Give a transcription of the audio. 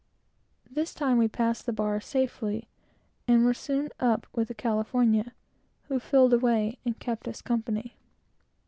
This time we passed the bar safely, and were soon up with the California, who filled away, and kept us company.